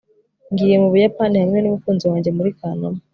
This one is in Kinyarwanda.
ngiye mu buyapani hamwe n'umukunzi wanjye muri kanama